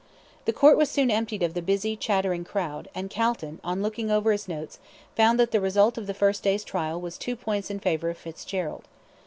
The Court was soon emptied of the busy, chattering crowd, and Calton, on looking over his notes, found that the result of the first day's trial was two points in favour of Fitzgerald.